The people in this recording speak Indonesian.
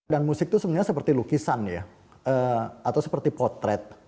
dan musik itu sebenarnya seperti lukisan ya atau seperti potret